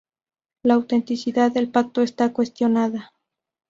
La autenticidad del Pacto está cuestionada.